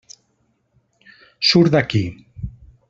Surt d'aquí!